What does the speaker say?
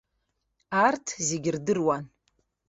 Арҭ зегьы рдыруан.